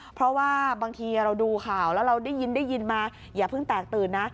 เพราะว่าบางทีเราดูข่าวแล้วเราได้ยินได้ยินมาอย่าเพิ่งแตกตื่นนะ